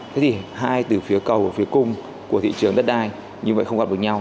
thế thì hai từ phía cầu và phía cung của thị trường đất đai như vậy không gặp được nhau